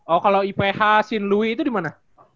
oh kalau iph st louis itu di mana